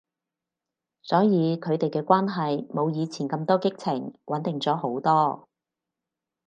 所以佢哋嘅關係冇以前咁多激情，穩定咗好多